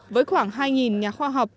với khoảng hai nhà khoa học